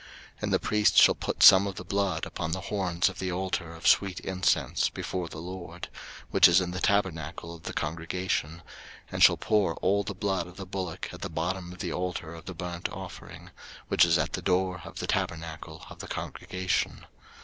03:004:007 And the priest shall put some of the blood upon the horns of the altar of sweet incense before the LORD, which is in the tabernacle of the congregation; and shall pour all the blood of the bullock at the bottom of the altar of the burnt offering, which is at the door of the tabernacle of the congregation.